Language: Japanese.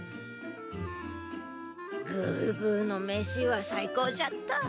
グーグーのメシは最高じゃった。